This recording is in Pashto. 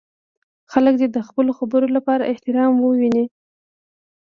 خلک دې د خپلو خبرو لپاره احترام وویني.